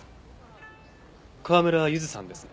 川村ゆずさんですね。